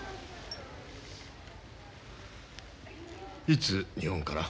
いつ日本から？